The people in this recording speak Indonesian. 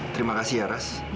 terima kasih ya ras